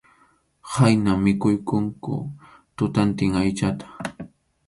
Khayna mikhuykunku tutantin aychata.